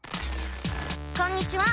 こんにちは。